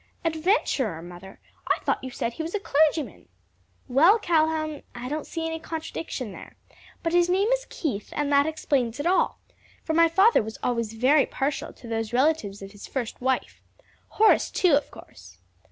"Adventurer, mother! I thought you said he was a clergyman!" "Well, Calhoun, I don't see any contradiction there. But his name is Keith, and that explains it all, for my father was always very partial to those relatives of his first wife. Horace, too, of course."